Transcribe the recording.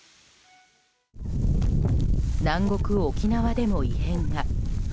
南国・沖縄でも異変が。